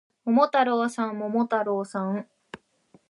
桃太郎さん、桃太郎さん